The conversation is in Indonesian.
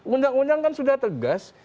undang undang kan sudah tegas